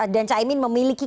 dan caimin memiliki